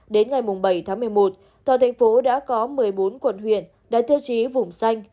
đến ngày bảy một mươi một tòa tp hcm đã có một mươi bốn quận huyện đã tiêu chí vùng xanh